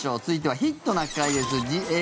続いては「ヒットな会」です。